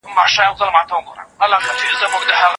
کله باید د کوچنیو شیانو لپاره هم منندوی واوسو؟